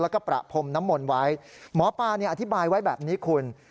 แล้วก็ประพรมน้ำมนต์ไว้หมอปลาอธิบายไว้แบบนี้คุณ